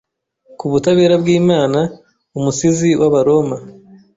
ku butabera bw'Imana. Umusizi w’Abaroma